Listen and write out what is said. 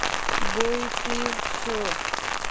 بوی تېز شو.